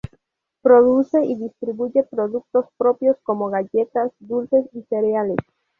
Produce y distribuye productos propios como galletas, dulces y cereales.